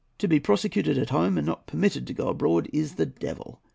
To be prosecuted at home, and not permitted to go abroad, is the devil.